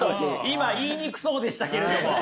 今言いにくそうでしたけれども。